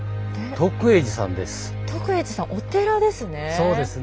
徳永寺さんお寺ですね。